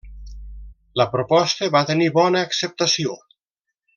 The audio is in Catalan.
La proposta va tenir bona acceptació.